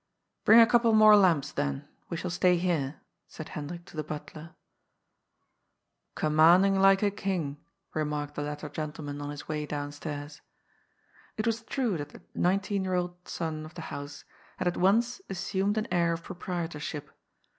^' Bring a couple more lamps, then ; we shall stay here/' said Hendrik to the butler. ^ Gommanding like a king," remarked the latter gentleman on his way downstairs. It was true that the nineteen year old son of the house had at once assumed an air of proprietorship.